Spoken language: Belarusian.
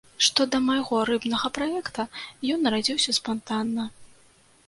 Што да майго рыбнага праекта, ён нарадзіўся спантанна.